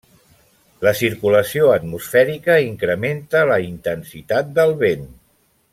La circulació atmosfèrica incrementa la intensitat del vent.